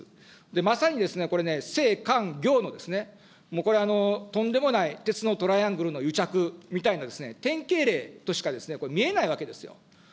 まさにですね、これ、政官業の、これ、とんでもない鉄のトライアングルの癒着みたいな典型例としか見えないわけですよ。